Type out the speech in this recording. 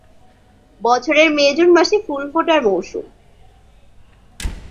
বছরের মে-জুন মাসে ফুল ফোটার মৌসুম।